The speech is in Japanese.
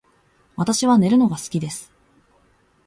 私は寝るのが好きです